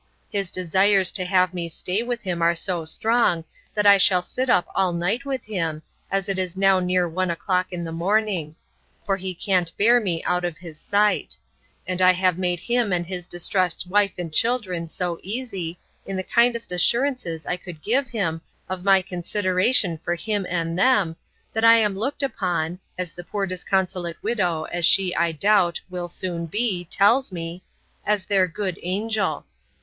His desires to have me stay with him are so strong, that I shall sit up all night with him, as it is now near one o'clock in the morning; for he can't bear me out of his sight: And I have made him and his distressed wife and children so easy, in the kindest assurances I could give him of my consideration for him and them, that I am looked upon (as the poor disconsolate widow, as she, I doubt, will soon be, tells me,) as their good angel.